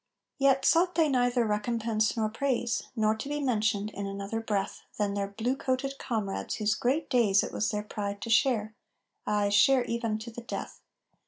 III Yet sought they neither recompense nor praise, Nor to be mentioned in another breath Than their blue coated comrades whose great days It was their pride to share ay, share even to the death!